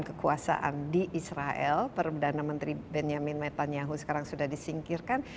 kekuasaan di israel perdana menteri benjamin metanyahu sekarang sudah disingkirkan